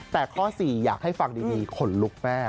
แต่ข้อ๔อยากให้ฟังดีขนลุกมาก